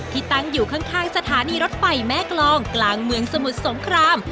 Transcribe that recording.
ที่ตั้งอยู่ข้างสถานีรถไฟแม่กรองกลางเมืองสมุทรสงคราม